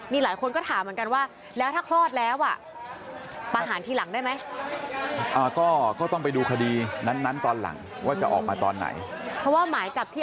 วิเคราะห์ว่าเขาจะรับสารภาพ